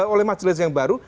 oleh majelis yang baru